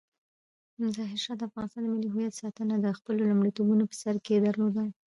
ظاهرشاه د افغانستان د ملي هویت ساتنه د خپلو لومړیتوبونو په سر کې درلودله.